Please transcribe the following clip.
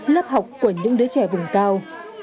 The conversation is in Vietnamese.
lớp học của những đứa trẻ vùng cao